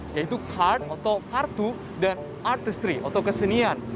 yaitu card atau kartu dan artistry atau kesenian